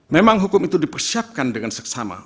memang hukum itu dipersiapkan dengan seksama